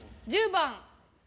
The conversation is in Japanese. １０番。